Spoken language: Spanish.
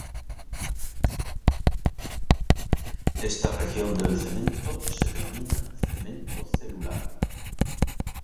Esta región del cemento se denomina "cemento celular".